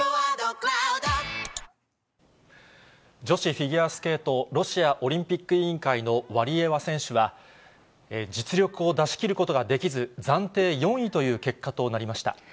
女子フィギュアスケート、ロシアオリンピック委員会のワリエワ選手は、実力を出し切ることができず、暫定４位という結果となりました。